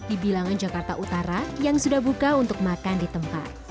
di bilangan jakarta utara yang sudah buka untuk makan di tempat